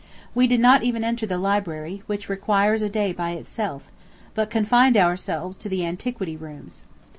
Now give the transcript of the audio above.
We did not even enter the library, which requires a day by itself, but confined ourselves to the Antiquity rooms.